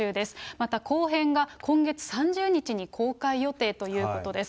また後編が今月３０日に公開予定ということです。